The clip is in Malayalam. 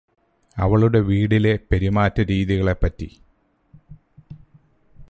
അവളുടെ വീടിലെ പെരുമാറ്റ രീതികളെപ്പറ്റി